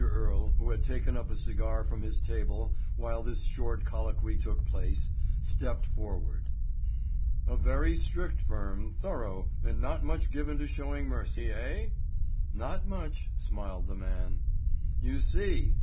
Earle, who had taken up a cigar from his table while this short colloquy took place, stepped forward. "A very strict firm, thorough, and not much given to showing mercy, eh?" "Not much," smiled the man. "You see!"